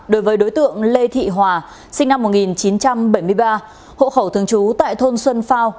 đối với đối tượng lê thị hòa sinh năm một nghìn chín trăm bảy mươi ba hộ khẩu thường trú tại thôn xuân phao